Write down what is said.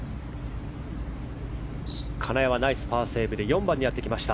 金谷はナイスパーセーブで４番にやってきました。